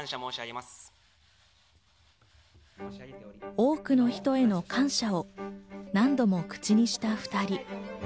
多くの人への感謝を何度も口にした２人。